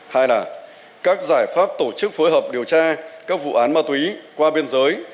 hai là các giải pháp tổ chức phối hợp điều tra các vụ án ma túy qua biên giới